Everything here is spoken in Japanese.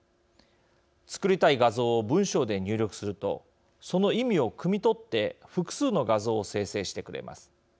作りたい画像を文章で入力するとその意味をくみ取って複数の画像を生成してくれます。